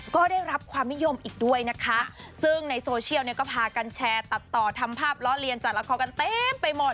ก็ได้รับความนิยมอีกด้วยนะคะซึ่งในโซเชียลเนี่ยก็พากันแชร์ตัดต่อทำภาพล้อเลียนจากละครกันเต็มไปหมด